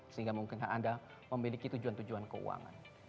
sehingga mungkinkah anda memiliki tujuan tujuan keuangan